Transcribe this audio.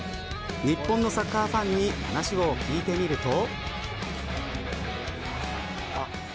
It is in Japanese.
日本のサッカーファンに話を聞いてみると。